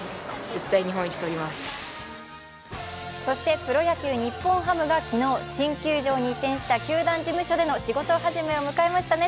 プロ野球・日本ハムが昨日新球団に移動して球団事務所での仕事始めを迎えましたね。